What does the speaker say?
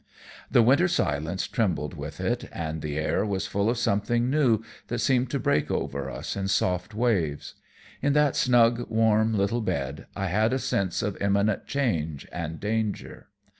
The winter silence trembled with it, and the air was full of something new that seemed to break over us in soft waves. In that snug, warm little bed I had a sense of imminent change and danger.